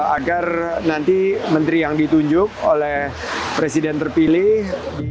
agar nanti menteri yang ditunjuk oleh presiden terpilih